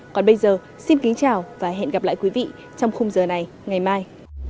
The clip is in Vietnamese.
còn bây giờ xin kính chào và hẹn gặp lại quý vị trong khung giờ này ngày mai